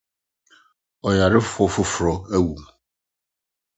Ɔyarefo foforow awu.